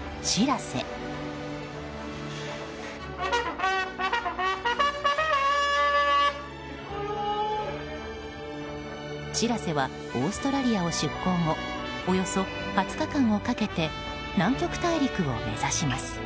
「しらせ」はオーストラリアを出港後およそ２０日間をかけて南極大陸を目指します。